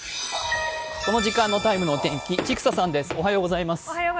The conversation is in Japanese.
この時間の「ＴＩＭＥ，」のお天気、千種さんです。